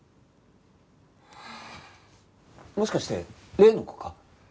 もしかして例の子か？